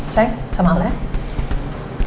sayang sama allah ya